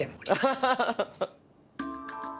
アハハハハ。